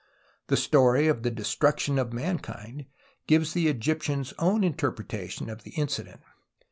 The story of the Destruction of JVJankind gives the Egyptian's own interpreta tion of the incident.